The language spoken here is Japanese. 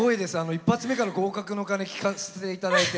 一発目から合格の鐘を聞かせていただいて。